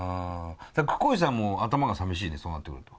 くこいさんも頭が寂しいねそうなってくると。